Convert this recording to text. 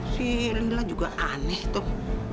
si lila juga aneh tuh